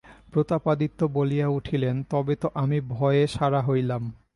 প্রতাপাদিত্য বলিয়া উঠিলেন, তবে তো আমি ভয়ে সারা হইলাম!